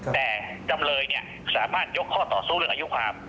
แต่จำเลยสามารถยกข้อต่อสู้เรื่องอายุความ